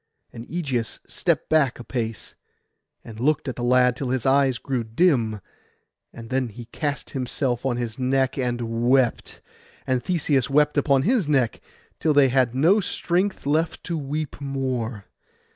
And Ægeus stepped back a pace, and looked at the lad till his eyes grew dim; and then he cast himself on his neck and wept, and Theseus wept on his neck, till they had no strength left to weep more.